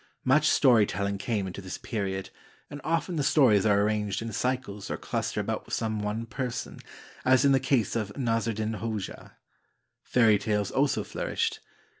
Much story telling came into this period, and often the stories are arranged in cycles or cluster about some one person, as in the case of Nasr eddin Hoja. Fairy tales also flourished.